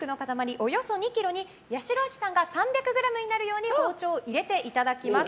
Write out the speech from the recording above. およそ２ｋｇに八代亜紀さんが３００ｇになるように包丁を入れていただきます。